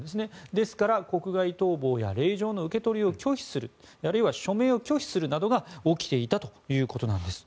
ですから、国外逃亡や令状の受け取りを拒否するあるいは署名を拒否するなどが起きていたということなんです。